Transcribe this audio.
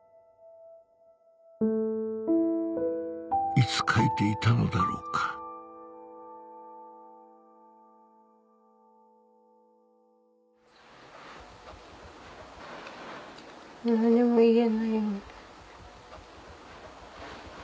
いつ書いていたのだろうか何も言えないよ。